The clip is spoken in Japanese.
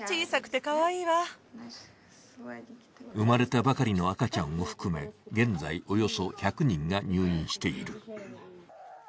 生まれたばかりの赤ちゃんを含め、現在およそ１００人が入院している。